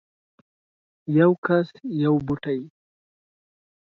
یو کس یو بوټی